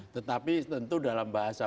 tetapi tentu dalam bahasa